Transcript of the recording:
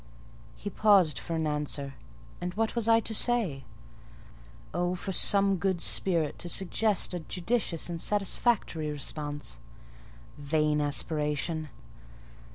He paused for an answer: and what was I to say? Oh, for some good spirit to suggest a judicious and satisfactory response! Vain aspiration!